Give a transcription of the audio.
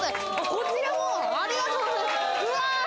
こちらもありがとうございます！